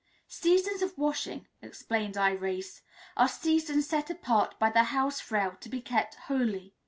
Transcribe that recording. "Seasons of washing," explained Irais, "are seasons set apart by the Hausfrau to be kept holy.